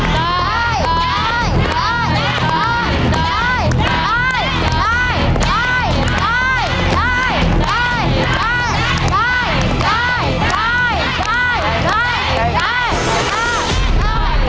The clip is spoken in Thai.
ยาย